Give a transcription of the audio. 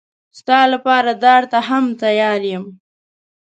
ستا لپاره دار ته هم تیار یم.